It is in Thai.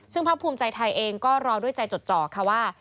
ซึ่งภาคภูมิใจไทยเองก็รอด้วยใจจดจ่อค่ะว่า